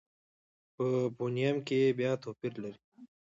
په فونېم کې بیا توپیر لري.